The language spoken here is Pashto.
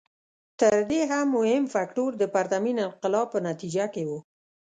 تر دې هم مهم فکټور د پرتمین انقلاب په نتیجه کې و.